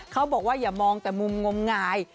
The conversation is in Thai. เขาบอกว่าอย่ามองแต่มุมงมงาย